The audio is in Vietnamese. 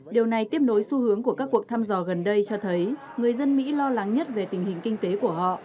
điều này tiếp nối xu hướng của các cuộc thăm dò gần đây cho thấy người dân mỹ lo lắng nhất về tình hình kinh tế của họ